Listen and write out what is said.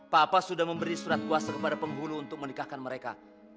papa sudah memberi surat kuasa kepada penghulu untuk menikahkan mereka